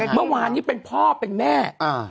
เมื่อวานนี้เป็นพ่อเป็นแม่